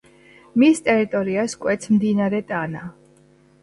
მის ტერიტორიას კვეთს მდინარე ტანა.